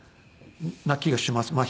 な気がします。